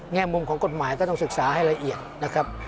แง่มุมของกฎหมายก็ต้องศึกษาให้ละเอียดนะครับ